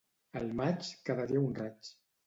Al maig cada dia un raig